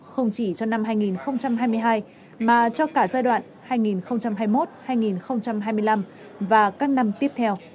không chỉ cho năm hai nghìn hai mươi hai mà cho cả giai đoạn hai nghìn hai mươi một hai nghìn hai mươi năm và các năm tiếp theo